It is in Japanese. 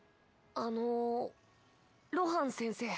あの露伴先生。